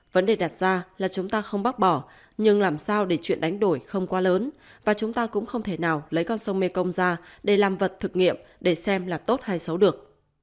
vấn đề đặt ra là chúng ta không bác bỏ nhưng làm sao để chuyện đánh đổi không quá lớn và chúng ta cũng không thể nào lấy con sông mekong ra để làm vật thực nghiệm để xem là tốt hay xấu được